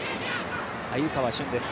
鮎川峻です。